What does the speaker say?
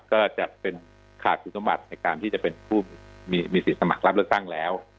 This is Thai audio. ก็จะเป็นขาดคุณสมบัติในการที่จะเป็นผู้มีสิทธิ์สมัครรับเลือกตั้งแล้ว